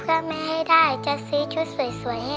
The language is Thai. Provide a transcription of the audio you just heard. แล้วน้องใบบัวร้องได้หรือว่าร้องผิดครับ